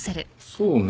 そうね。